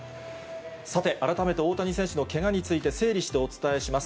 さて、改めて大谷選手のけがについて、整理してお伝えします。